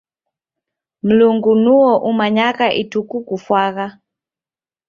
Mlungu nuo umayagha ituku kufwagha